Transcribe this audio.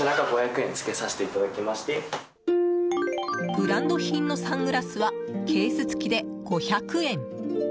ブランド品のサングラスはケース付きで５００円。